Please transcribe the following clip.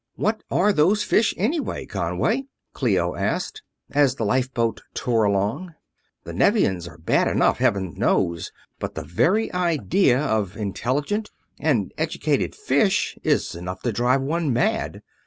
"What are those fish, anyway, Conway?" Clio asked, as the lifeboat tore along. "The Nevians are bad enough, Heaven knows, but the very idea of intelligent and educated fish is enough to drive one mad!"